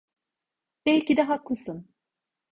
Belki de haklısın.